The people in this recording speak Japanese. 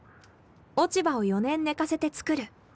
落ち葉を４年寝かせて作る。